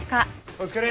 お疲れ。